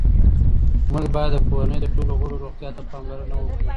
موږ باید د کورنۍ د ټولو غړو روغتیا ته پاملرنه وکړو